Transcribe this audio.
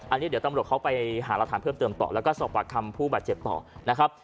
อันนี้เดี๋ยวตำรวจเขาไปหารักฐานเพิ่มเติมต่อแล้วก็สอบปากคำผู้บาดเจ็บต่อนะครับ